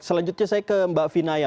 selanjutnya saya ke mbak vinaya